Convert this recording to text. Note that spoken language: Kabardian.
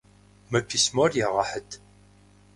Мы письмор егъэхьыт!